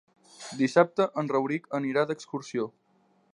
Dissabte en Rauric anirà d'excursió.